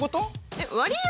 えっ割合